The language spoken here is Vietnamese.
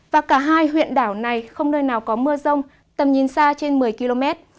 và cả hai huyện đảo này không nơi nào có mưa rông tầm nhìn xa trên một mươi km